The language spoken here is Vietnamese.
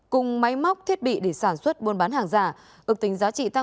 cùng máy móc thiết bị để sản xuất buôn bán hàng giả